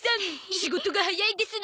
仕事が早いですな。